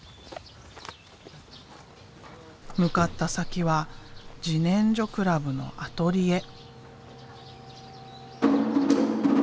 向かった先は自然生クラブのアトリエ。